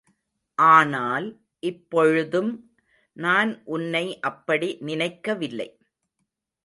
ஆனால், இப்பொழுதும் நான் உன்னை அப்படி நினைக்கவில்லை.